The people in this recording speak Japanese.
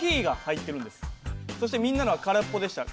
そしてみんなのは空っぽでした。